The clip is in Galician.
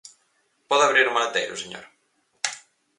Pode abrir o maleteiro, señor?